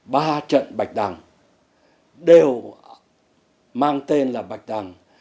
ba trận bạch đằng đều mang tên là bạch đằng